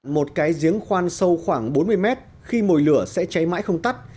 một cái giếng khoan sâu khoảng bốn mươi mét khi mồi lửa sẽ cháy mãi không tắt